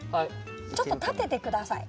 ちょっと立ててください。